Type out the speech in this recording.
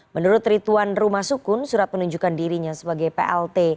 menurut rituan rumah sukun surat penunjukan dirinya sebagai plt